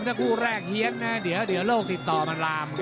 ถ้าคู่แรกเฮียนนะเดี๋ยวโลกติดต่อมันลาม